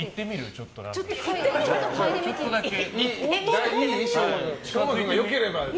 ちょっとだけ。